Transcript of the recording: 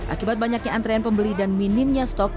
akibat banyaknya antrean pembeli dan minimnya stok